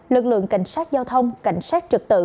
lực lượng cảnh sát giao thông cảnh sát trực tự